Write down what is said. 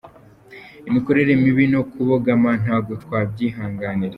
Imikorere mibi no kubogama ntago twabyihanganira.